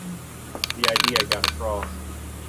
The idea got across.